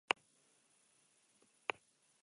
Bere burua ere aldarrikatu zuen mesias.